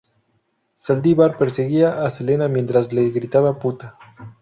Saldívar perseguía a Selena mientras le gritaba "puta".